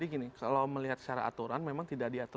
jadi gini kalau melihat secara aturan memang tidak diatur